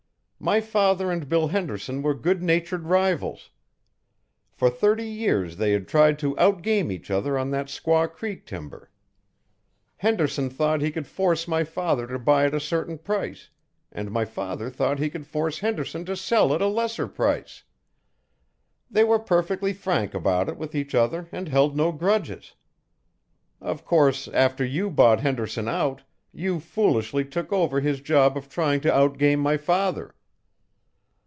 My father and Bill Henderson were good natured rivals; for thirty years they had tried to outgame each other on that Squaw Creek timber. Henderson thought he could force my father to buy at a certain price, and my father thought he could force Henderson to sell at a lesser price; they were perfectly frank about it with each other and held no grudges. Of course, after you bought Henderson out, you foolishly took over his job of trying to outgame my father.